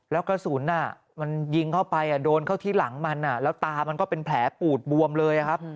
แล้วกระสุนมันยิงเข้าไปโดนเข้าที่หลังมันแล้วตามันก็เป็นแผลปูดบวมเลยครับ